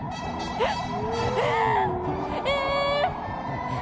えっ？